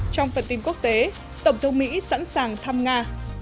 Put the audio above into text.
trong phần tin quốc tế tổng thống mỹ sẵn sàng thăm nga